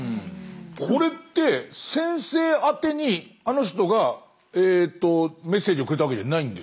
これって先生宛てにあの人がメッセージをくれたわけじゃないんですよね。